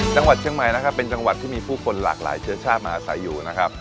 จังหวัดเชียงใหม่นะครับเป็นจังหวัดที่มีผู้คนหลากหลายเชื้อชาติมาอาศัยอยู่นะครับ